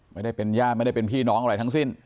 ไม่ได้เป็นพี่น้องอะไรทั้งสิ้น